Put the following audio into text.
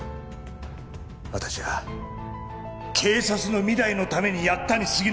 私は警察の未来のためにやったに過ぎない。